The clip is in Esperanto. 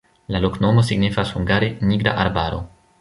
La loknomo signifas hungare: nigra-arbaro.